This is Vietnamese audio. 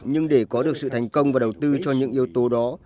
nhưng để có được sự thành công và đầu tư cho những yếu tố đó